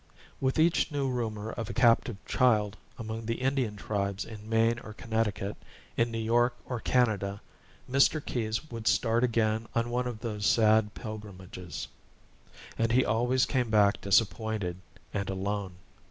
With each new rumor of a captive child among the Indian tribes in Maine or Connecticut, in New York or Canada, Mr. Keyes would start again on one of those sad pilgrimages; and he always came back disappointed and alone.